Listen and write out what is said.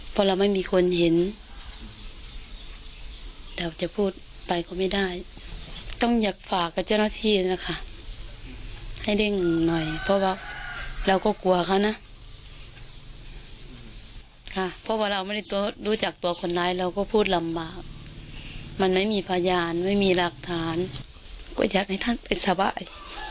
เพราะว่าเราไม่รู้จักตัวคนร้ายเราก็พูดลำบากมันไม่มีพยานไม่มีหลักฐานก็อยากให้ท่านเป็นสบาย